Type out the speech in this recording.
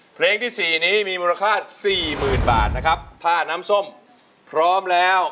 เพลงที่สี่นี้มีมูลค่าสี่หมื่นบาทนะครับถ้าน้ำส้มพร้อมแล้ว